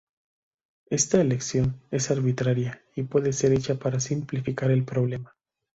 Esta elección es arbitraria, y puede ser hecha para simplificar el problema.